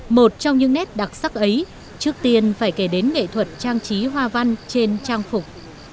một trong những nét đặc sắc ấy trước tiên phải kể đến nghệ thuật trang trí hoa văn trên trang phục